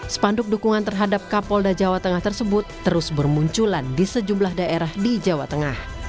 sepanduk dukungan terhadap kapolda jawa tengah tersebut terus bermunculan di sejumlah daerah di jawa tengah